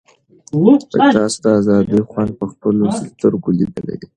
تاسو د آزادۍ خوند په خپلو سترګو لیدلی دی.